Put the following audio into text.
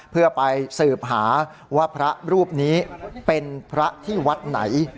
เพื่อไปสืบหาว่าพระรูปนี้เป็นพระที่วัดไหน